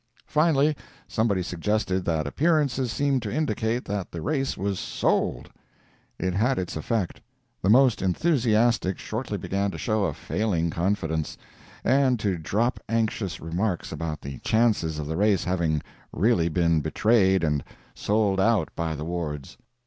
Finally, somebody suggested that appearances seemed to indicate that the race was "sold." It had its effect. The most enthusiastic shortly began to show a failing confidence, and to drop anxious remarks about the chances of the race having really been betrayed and sold out by the Wards.